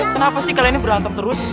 kenapa sih kalian berantem terus